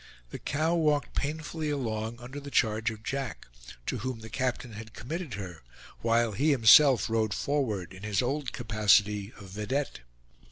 The cow walked painfully along under the charge of Jack, to whom the captain had committed her, while he himself rode forward in his old capacity of vedette.